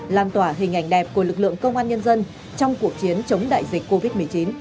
lan tỏa hình ảnh đẹp của lực lượng công an nhân dân trong cuộc chiến chống đại dịch covid một mươi chín